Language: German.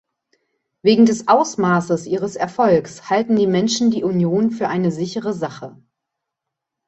Wegen des Ausmaßes ihres Erfolgs halten die Menschen die Union für eine sichere Sache.